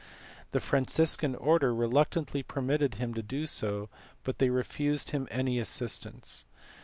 The Franciscan order reluctantly permitted him to do so, but they refused him any assistance.